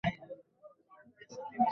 এটা অপ্রত্যাশিত উপায়ে নিজেকে প্রকাশ করে।